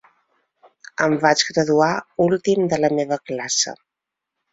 Em vaig graduar últim de la meva classe.